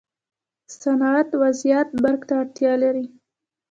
صنعت و زیات برق ته اړتیا لري.